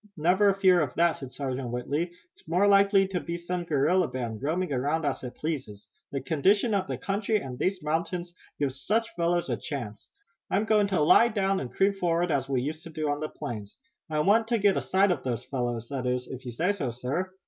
"Never a fear of that," said Sergeant Whitley. "It's more likely to be some guerrilla band, roaming around as it pleases. The condition of the country and these mountains give such fellows a chance. I'm going to lie down and creep forward as we used to do on the plains. I want to get a sight of those fellows, that is, if you say so, sir."